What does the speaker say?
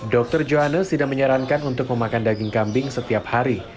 dr johannes tidak menyarankan untuk memakan daging kambing setiap hari